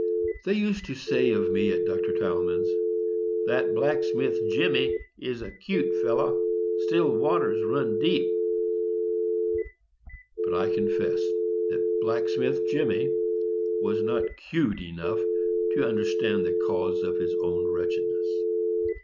They used to say of me at Dr. Tilghman's, "That blacksmith Jemmy is a 'cute fellow; still water runs deep." But I confess that "blacksmith Jemmy" was not 'cute enough to understand the cause of his own wretchedness.